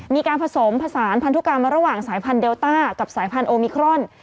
มีการผสมผสานพันธุกรรมระหว่างสายพันธุเดลต้ากับสายพันธุมิครอน